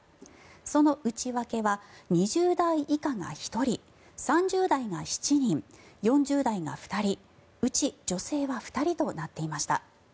その内訳は２０代以下が１人３０代が７人、４０代が２人うち女性は２人となっていました。